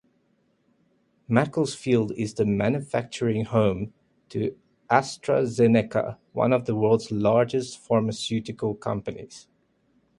Macclesfield is the manufacturing home to AstraZeneca, one of the world's largest pharmaceutical companies.